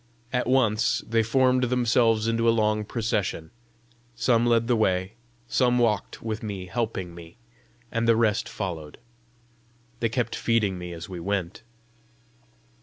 At once they formed themselves into a long procession; some led the way, some walked with me helping me, and the rest followed. They kept feeding me as we went.